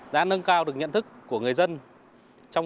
đã nâng cao được nhận thức của người dân